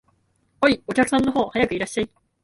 おい、お客さん方、早くいらっしゃい